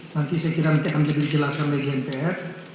nanti sekiranya akan terjelas oleh gmpf